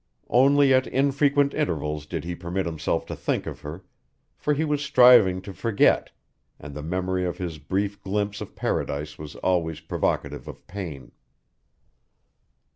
Only at infrequent intervals did he permit himself to think of her, for he was striving to forget, and the memory of his brief glimpse of paradise was always provocative of pain.